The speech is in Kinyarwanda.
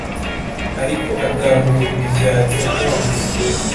Ariko atahura uburyarya bwabo